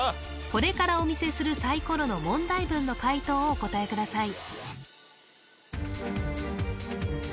これからお見せするサイコロの問題文の解答をお答えください